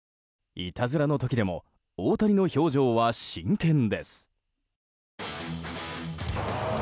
いたずらの時でも大谷の表情は真剣です。